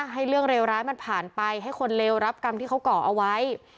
ให้เรื่องเลวร้ายมันผ่านไปให้คนเลวรับกรรมที่เขาก่อเอาไว้